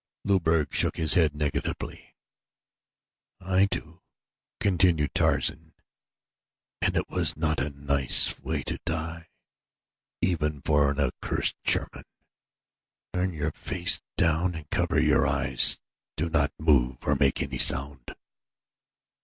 Luberg shook his head negatively. "I do," continued Tarzan, "and it was not a nice way to die even for an accursed German. Turn over with your face down and cover your eyes. Do not move or make any sound."